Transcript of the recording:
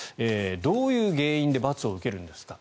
どういう原因で罰を受けるんですか